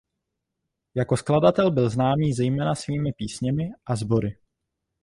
Jako skladatel byl známý zejména svými písněmi a sbory.